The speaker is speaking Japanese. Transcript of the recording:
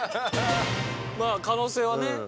まあ可能性はね。